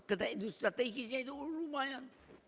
karena industri strategisnya itu lumayan